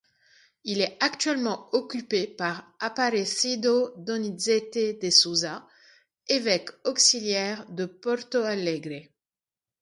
Il est actuellement occupé par Aparecido Donizete de Souza, évêque auxiliaire de Porto Alegre.